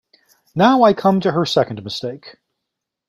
Now I come to her second mistake.